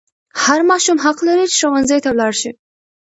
هر ماشوم حق لري چې ښوونځي ته ولاړ شي.